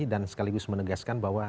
dan sekaligus menegaskan bahwa